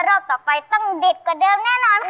รอบต่อไปต้องเด็ดกว่าเดิมแน่นอนค่ะ